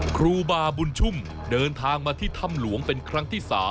ครูบาบุญชุ่มเดินทางมาที่ถ้ำหลวงเป็นครั้งที่๓